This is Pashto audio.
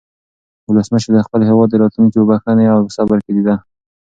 ولسمشر د خپل هېواد راتلونکی په بښنې او صبر کې لیده.